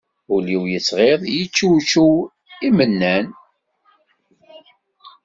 Ul-iw yettɣiḍ, yeččewčew imennan